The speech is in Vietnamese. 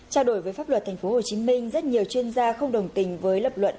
trao đổi với pháp luật tp hcm rất nhiều chuyên gia không đồng tình với lập luận